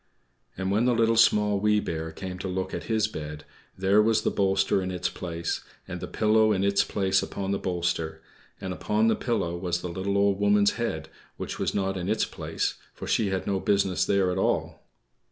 And when the Little, Small, Wee Bear came to look at his bed, there was the bolster in its place, and the pillow in its place upon the bolster; and upon the pillow was the little Old Woman's head, which was not in its place, for she had no business there at all.